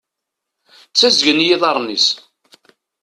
Ttazgen yiḍarren-is.